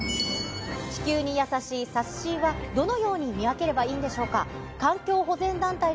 地球にやさしいサスシーは、どのように見分ければいいんでしょうか。